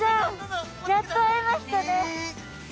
やっと会えましたね。